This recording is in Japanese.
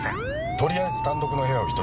とりあえず単独の部屋を１つ。